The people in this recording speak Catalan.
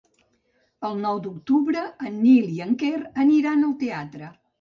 El nou d'octubre en Nil i en Quer aniran al teatre.